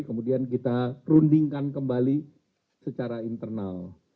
kemudian kita rundingkan kembali secara internal